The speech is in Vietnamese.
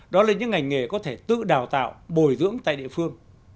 đó là những ngành nghề có thể tự đào tạo bồi dưỡng tại địa phương